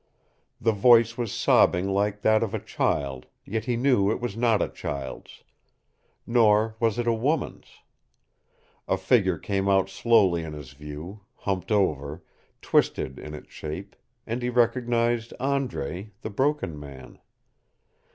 The voice was sobbing like that of a child, yet he knew it was not a child's. Nor was it a woman's. A figure came out slowly in his view, humped over, twisted in its shape, and he recognized Andre, the Broken Man.